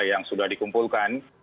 yang sudah dikumpulkan